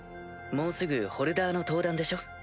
もうすぐホルダーの登壇でしょ？